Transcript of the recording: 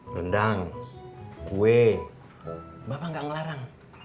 rendang kue bapak nggak ngelarang